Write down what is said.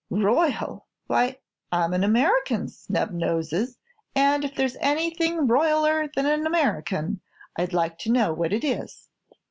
"Royal! Why, I'm an American, Snubnoses, and if there's anything royaler than an American I'd like to know what it is."